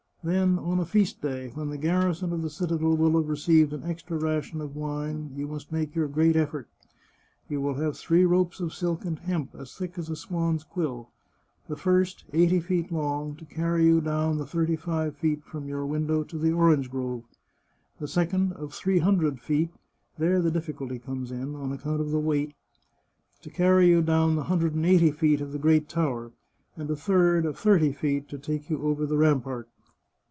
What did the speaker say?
Then, on a feast day, when the garrison of the citadel will have received an extra ration of wine, you will make your great effort. You will have three ropes of silk and hemp, as thick as a swan's quill. The first, eighty feet long, to carry you down the thirty five feet from your window to the orange grove ; the second, of three hundred feet — there the difficulty comes in, on account of the weight — to carry you down the hundred and eighty feet of the great tower; and a third, of thirty feet, to take you over the rampart.